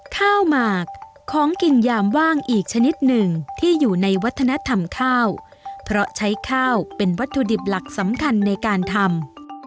ข้าวหมากของกินยามว่างอีกชนิดหนึ่งที่อยู่ในวัฒนธรรมข้าวเพราะใช้ข้าวเป็นวัตถุดิบหลักสำคัญในการทำ